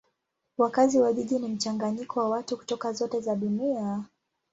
Wakazi wa jiji ni mchanganyiko wa watu kutoka zote za dunia.